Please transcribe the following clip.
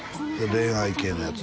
恋愛系のやつ？